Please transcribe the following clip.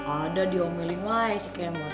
ada di omeling wae si kemot